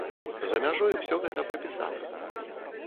За мяжой усё гэта прапісана.